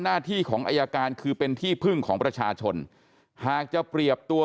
หน้าที่ของอายการคือเป็นที่พึ่งของประชาชนหากจะเปรียบตัว